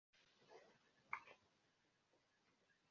La funebra ceremonio okazis en tre modestaj kadroj.